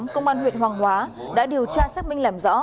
công an huyện hoàng hóa đã điều tra xác minh làm rõ